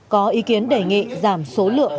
có ý kiến đề nghị giảm số lượng